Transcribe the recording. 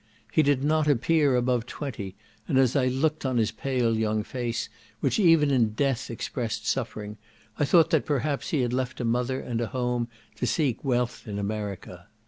He did not appear above twenty, and as I looked on his pale young face, which even in death expressed suffering, I thought that perhaps he had left a mother and a home to seek wealth in America.